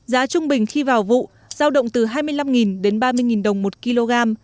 giá trung bình khi vào vụ giao động từ hai mươi năm đến ba mươi đồng một kg